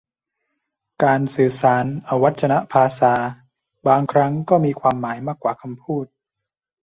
การสื่อสารอวัจนภาษาบางครั้งก็มีความหมายมากกว่าคำพูด